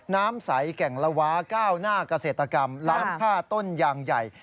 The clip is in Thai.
น้ำใสแกล่งละวามงพกนล้ำผ้าต้นยางใหญ่